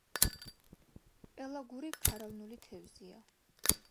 პელაგური, ქარავნული თევზია.